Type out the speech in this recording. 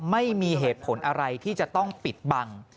ไม่มีเหตุผลอะไรที่จะต้องปิดบัง